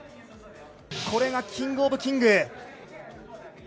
これがキングオブキング！